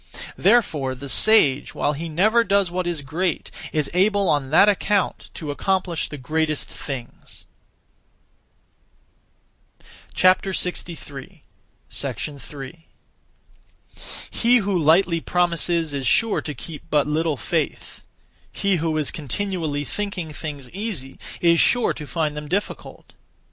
Therefore the sage, while he never does what is great, is able on that account to accomplish the greatest things. 3. He who lightly promises is sure to keep but little faith; he who is continually thinking things easy is sure to find them difficult.